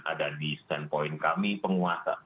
ada di standpoint kami penguasa